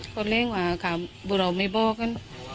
คนเรียกว่าขาวบุราวไม่บอกกัน